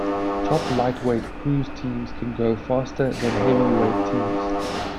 Top lightweight crew teams can go faster than heavyweight teams.